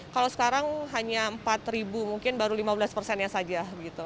kalau sekarang hanya empat ribu mungkin baru lima belas persennya saja